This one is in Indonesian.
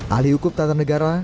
ahli hukum tata negara